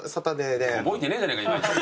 覚えてねえじゃねえかいまいち。